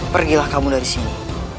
pergilah kamu dari sini